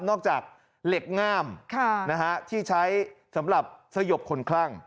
จากเหล็กง่ามที่ใช้สำหรับสยบคนคลั่ง